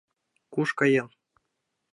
Куш каен?